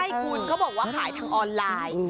ใช่คุณเขาบอกว่าขายทางออนไลน์